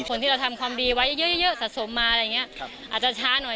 คนที่เราทำความดีไว้เยอะเยอะสะสมมาอะไรอย่างนี้อาจจะช้าหน่อย